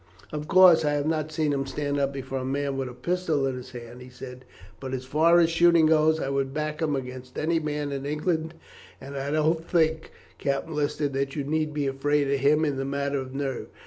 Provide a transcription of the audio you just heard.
"Of course, I have not seen him stand up before a man with a pistol in his hand," he said, "but as far as shooting goes I would back him against any man in England; and I don't think, Captain Lister, that you need be afraid of him in the matter of nerve.